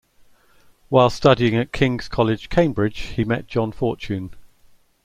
While studying at King's College, Cambridge, he met John Fortune.